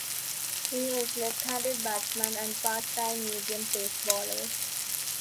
He is a left-handed batsman and part-time medium pace bowler.